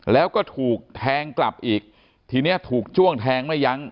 แล้วก็ถูกแทงกลับอีกทีเนี้ยถูกจ้วงแทงไม่ยั้ง